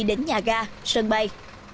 đến nhà ga sân bay